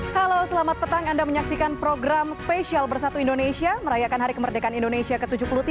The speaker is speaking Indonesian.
halo selamat petang anda menyaksikan program spesial bersatu indonesia merayakan hari kemerdekaan indonesia ke tujuh puluh tiga